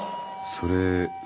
それ。